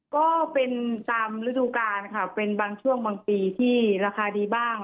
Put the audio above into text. ก็เป็นตามฤดูกาลค่ะเป็นบางช่วงบางปีที่ราคาดีบ้าง